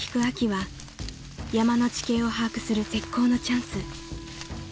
秋は山の地形を把握する絶好のチャンス］